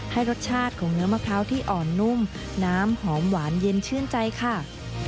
ให้รสชาติของเนื้อมะพร้าวที่อ่อนนุ่มน้ำหอมหวานเย็นชื่นใจค่ะ